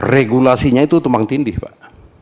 regulasinya itu tumpang tindih pak